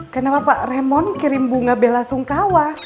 kenapa pak raymond kirim bunga bella sungkawa